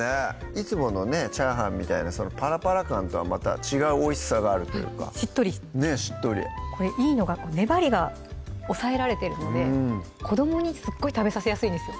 いつものねチャーハンみたいなパラパラ感とはまた違うおいしさがあるというかしっとりしてこれいいのが粘りが抑えられてるので子どもにすっごい食べさせやすいんですよ